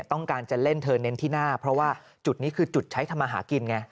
ต้องการจะเล่นเธอเน้นที่หน้าเพราะว่าจุดนี้คือจุดใช้ทำมาหากินไง